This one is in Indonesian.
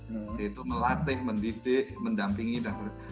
yaitu melatih mendidik mendampingi dan sebagainya